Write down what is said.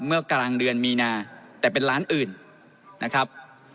เมื่อกลางเดือนมีนาแต่เป็นร้านอื่นนะครับ